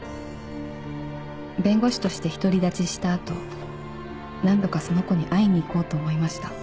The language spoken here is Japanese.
「弁護士として独り立ちした後何度かその子に会いに行こうと思いました」